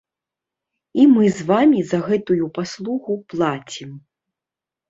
І мы з вамі за гэтую паслугу плацім.